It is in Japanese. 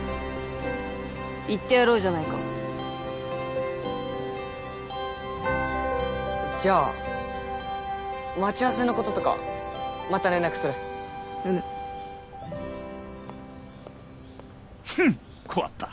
行ってやろうじゃないかじゃあ待ち合わせのこととかまた連絡するうむフンこわっぱ！